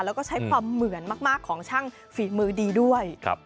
แล้วก็ใช้ความเหมือนมากของช่างฝีมือดีด้วย